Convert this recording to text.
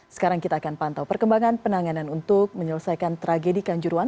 sekarang kita akan pantau perkembangan penanganan untuk menyelesaikan tragedi kanjuruan